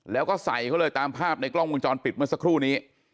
แล้วก็ใส่เขาเลยตามภาพในกล้องวงจรปิดเมื่อสักครู่นี้